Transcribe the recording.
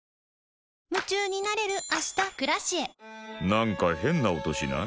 なんか変な音しない？